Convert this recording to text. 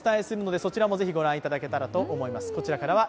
そちらもぜひ、ご覧いただけたらと思います。